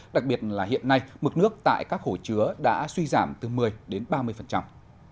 đặc biệt là hiện nay mực nước tại các hồ chứa đã suy giảm từ một mươi đến ba mươi